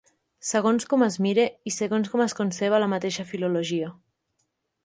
Segons com es mire i segons com es conceba la mateixa filologia.